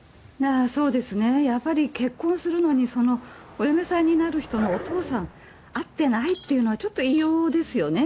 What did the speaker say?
そうですね、やはり結婚するのに、そのお嫁さんになる人のお父さん、会ってないっていうのはちょっと異様ですよね。